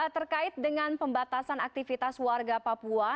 terkait dengan pembatasan aktivitas warga papua